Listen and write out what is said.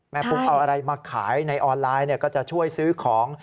ปุ๊กเอาอะไรมาขายในออนไลน์ก็จะช่วยซื้อของ